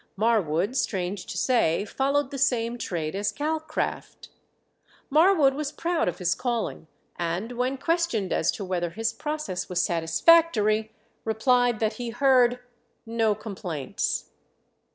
Marwood, strange to say, followed the same trade as Calcraft. Marwood was proud of his calling, and when questioned as to whether his process was satisfactory, replied that he heard "no complaints."